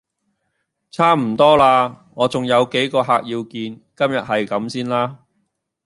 差唔多喇，我重有幾個客要見。今日係咁先啦